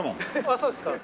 あっそうですか？